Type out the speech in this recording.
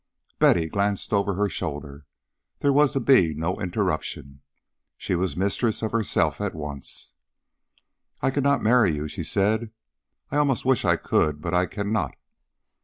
Betty glanced over her shoulder. There was to be no interruption. She was mistress of herself at once. "I cannot marry you," she said. "I almost wish I could, but I cannot."